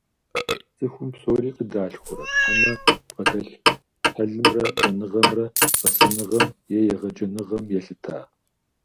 ЦӀыхум псори къыдалъхурэ, хьэмэрэ бгъэдэлъ хьэлымрэ щӀэныгъэмрэ гъэсэныгъэм е егъэджэныгъэм елъыта?